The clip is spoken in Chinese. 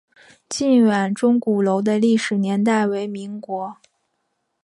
靖远钟鼓楼的历史年代为民国。